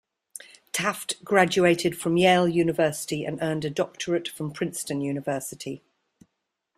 Taft graduated from Yale University and earned a doctorate from Princeton University.